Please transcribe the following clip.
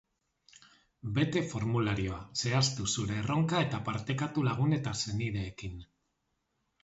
Bete formularioa, zehaztu zure erronka eta partekatu lagun eta senideekin.